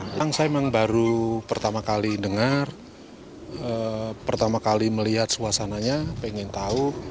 memang saya memang baru pertama kali dengar pertama kali melihat suasananya pengen tahu